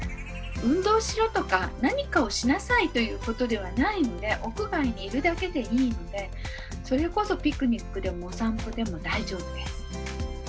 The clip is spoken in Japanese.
「運動しろ」とか「何かをしなさい」ということではないので屋外にいるだけでいいのでそれこそピクニックでもお散歩でも大丈夫です。